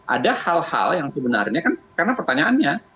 ada hal hal yang sebenarnya kan karena pertanyaannya